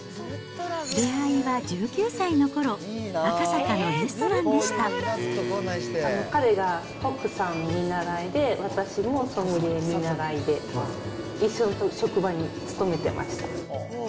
出会いは１９歳のころ、彼がコックさん見習いで、私もソムリエ見習いで、一緒の職場に勤めてました。